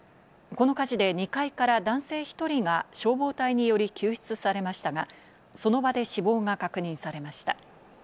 この火事で２階から男性１人が消防隊により救出されましたが、その場で死亡が確認されました。